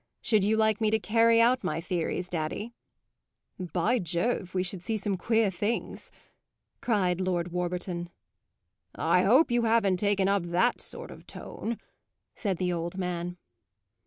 Should you like me to carry out my theories, daddy?" "By Jove, we should see some queer things!" cried Lord Warburton. "I hope you haven't taken up that sort of tone," said the old man.